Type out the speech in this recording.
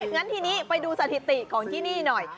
งั้นทีนี้ไปดูสถิติของที่นี่หน่อย